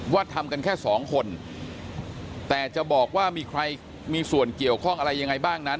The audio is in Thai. ทำกันแค่สองคนแต่จะบอกว่ามีใครมีส่วนเกี่ยวข้องอะไรยังไงบ้างนั้น